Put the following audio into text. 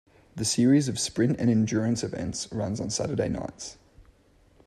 The series of sprint and endurance events runs on Saturday nights.